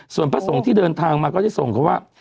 ส่วนพระสงฆ์ที่เดินทางมาก็ได้ส่งเขาว่า